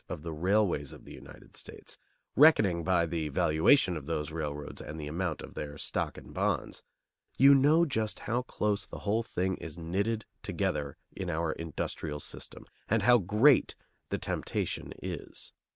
of the railways of the United States, reckoning by the valuation of those railroads and the amount of their stock and bonds, you know just how close the whole thing is knitted together in our industrial system, and how great the temptation is.